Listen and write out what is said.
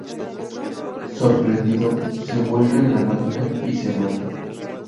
Sorprendido, se vuelca en la máquina y se mata.